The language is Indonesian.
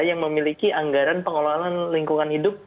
yang memiliki anggaran pengelolaan lingkungan hidup